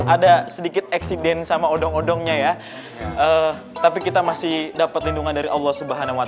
ada sedikit eksiden sama odong odongnya ya tapi kita masih dapat lindungan dari allah swt